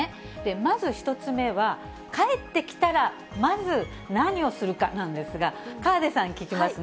まず１つ目は、帰ってきたらまず何をするかなんですが、河出さんに聞きますね。